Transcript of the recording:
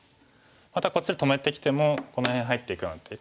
またこっち止めてきてもこの辺入っていくような手。